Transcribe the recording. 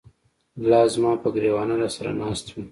لاس زماپه ګر ېوانه راسره ناست وې